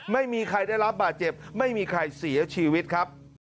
ไม่มีใครได้รับบาดเจ็บไม่มีใครเสียชีวิตครับ